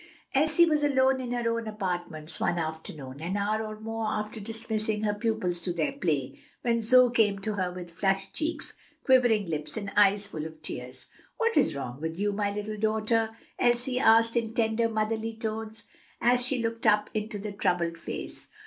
Elsie was alone in her own apartments one afternoon, an hour or more after dismissing her pupils to their play, when Zoe came to her with flushed cheeks, quivering lips, and eyes full of tears. "What is wrong with you, my dear little daughter?" Elsie asked in tender, motherly tones, as she looked up into the troubled face.